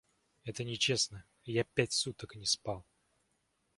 Это нечестно, я пять суток не спал!